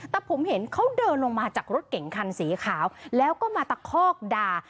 แต่ผมเห็นเขาเดินลงมาจากรถเก่งคันสีขาวแล้วก็มาตะคอกด่า